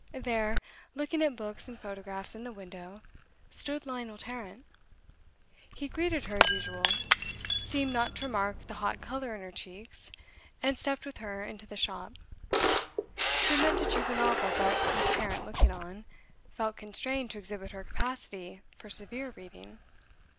There, looking at books and photographs in the window, stood Lionel Tarrant. He greeted her as usual, seemed not to remark the hot colour in her cheeks, and stepped with her into the shop. She had meant to choose a novel, but, with Tarrant looking on, felt constrained to exhibit her capacity for severe reading.